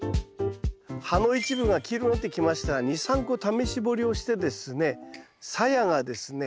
葉の一部が黄色くなってきましたら２３個試し掘りをしてですねさやがですね